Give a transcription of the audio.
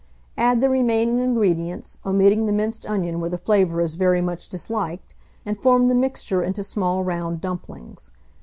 Add the remaining ingredients, omitting the minced onion where the flavour is very much disliked, and form the mixture into small round dumplings.